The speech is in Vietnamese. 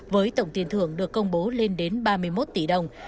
với tổng tiền thưởng được công bố lên đến ba mươi một tỷ đồng